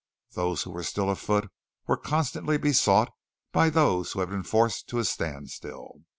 Those who were still afoot were constantly besought by those who had been forced to a standstill.